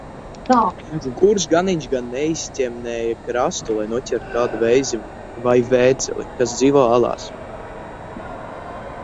"Kurš ganiņš gan "neizķemmēja" krastu, lai noķertu kādu vēzi vai vēdzeli, kas dzīvo alās."